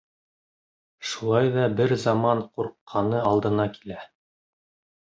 Шулай ҙа бер заман ҡурҡҡаны алдына килә.